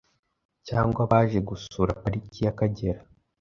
cyangwa baje gusura Pariki y’Akagera,